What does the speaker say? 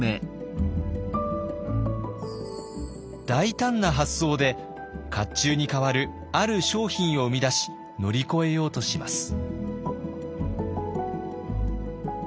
大胆な発想で甲冑に代わるある商品を生み出し乗り越えようとします。